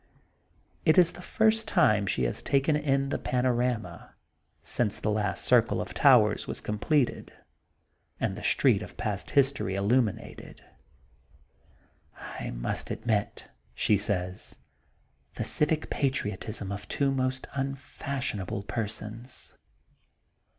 It is the first time she has taken in the panorama, since the last circle of towers was completed and The Street of Past History illuminated. I must admit, ^' she says, • *the civic patri otism of two most unfashionable persons.